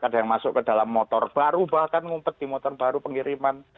ada yang masuk ke dalam motor baru bahkan ngumpet di motor baru pengiriman